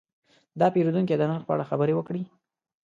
دا پیرودونکی د نرخ په اړه خبرې وکړې.